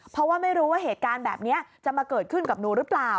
เพราะว่าไม่รู้ว่าเหตุการณ์แบบนี้จะมาเกิดขึ้นกับหนูหรือเปล่า